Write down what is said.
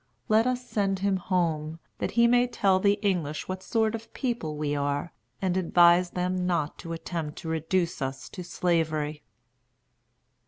Let us send him home, that he may tell the English what sort of people we are, and advise them not to attempt to reduce us to Slavery."